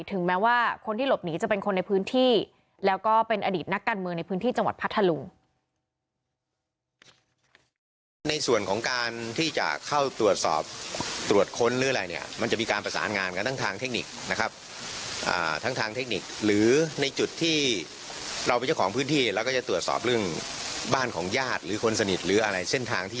ถึงแม้ว่าคนที่หลบหนีจะเป็นคนในพื้นที่แล้วก็เป็นอดีตนักการเมืองในพื้นที่จังหวัดพัทธลุง